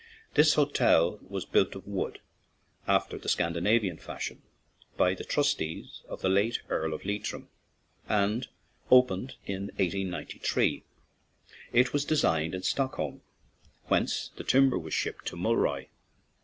This hotel was built of wood, after the Scandinavian fashion, by the trustees of the late Earl of Leitrim, and opened in 1893. It was designed in Stockholm, whence the timber was shipped to Mulroy.